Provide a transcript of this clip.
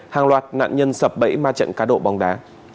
hàng loạt nạn nhân sập bẫy ma trận cá độ bóng đá